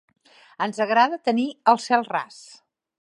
Ens agrada tenir el cel ras.